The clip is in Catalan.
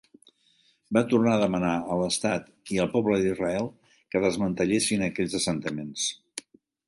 Va tornar a demanar a l'estat i el poble d'Israel que desmantellessin aquells assentaments.